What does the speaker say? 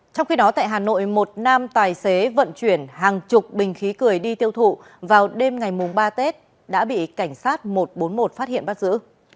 trong khi đó tại hà nội một nam tài xế vận chuyển hàng chục bình khí cười đi tiêu thụ vào đêm ngày ba tết đã bị cảnh sát một trăm bốn mươi một phát hiện bắt giữ